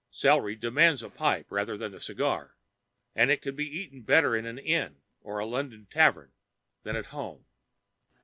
Celery demands a pipe rather than a cigar, and it can be eaten better in an inn or a London tavern than in the home.